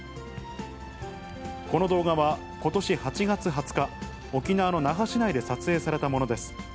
この動画は、ことし８月２０日、沖縄の那覇市内で撮影されたものです。